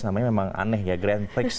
namanya memang aneh ya grant briggs